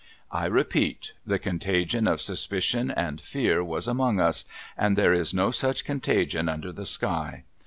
I repeat ; the contagion of suspicion and fear was among us, and there is no sucli contagion under the sky.